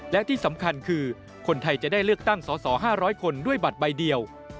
และที่สำคัญคือคนไทยจะได้เลือกตั้งสอสอ๕๐๐คนด้วยบัตรใบเดียว